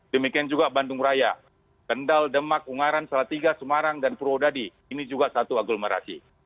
demikian juga bandung raya kendal demak ungaran salatiga semarang dan purwodadi ini juga satu aglomerasi